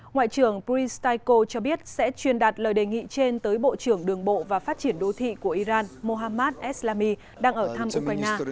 ngoại trưởng bristako cho biết sẽ truyền đạt lời đề nghị trên tới bộ trưởng đường bộ và phát triển đô thị của iran mohammad eslami đang ở thăm ukraine